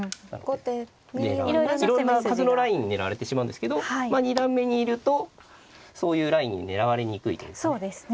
いろんな角のライン狙われてしまうんですけどまあ二段目にいるとそういうラインに狙われにくいですね。